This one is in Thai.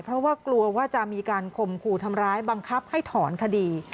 เพราะว่ากลัวว่าจะมีการข่มขู่ทำร้ายบังคับให้ถอนคดี